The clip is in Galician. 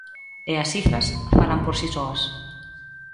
E as cifras falan por si soas.